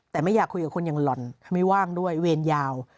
แต่ไม่อยากคุยกับคนอย่างหล่อนไม่ว่างด้วยเวรยาว